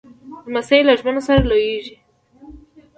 لمسی له ژمنو سره لویېږي.